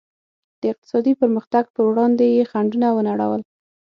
د اقتصادي پرمختګ پر وړاندې یې خنډونه ونړول.